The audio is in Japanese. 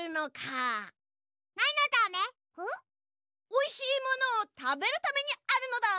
おいしいものをたべるためにあるのだ！